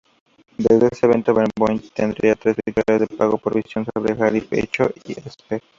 Desde ese evento, Benoit tendría tres victorias de pago por visión sobre Jericho esp.